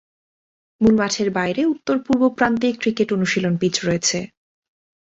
মূল মাঠের বাইরে উত্তর-পূর্ব প্রান্তে ক্রিকেট অনুশীলন পিচ রয়েছে।